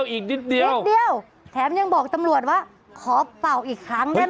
อีกนิดเดียวนิดเดียวแถมยังบอกตำรวจว่าขอเป่าอีกครั้งได้ไหม